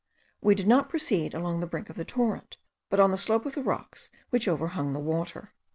We did not proceed along the brink of the torrent, but on the slope of the rocks which overhung the water.